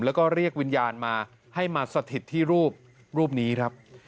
แล้วก็เรียกวิญญาณมาให้มาสถิตที่รูปรูปนี้ครับ